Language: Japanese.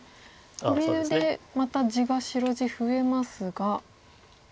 これでまた地が白地増えますが。